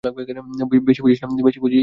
বেশি বুঝিস না।